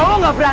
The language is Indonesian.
lo denger ya